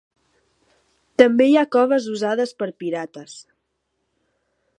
També hi ha coves usades per pirates.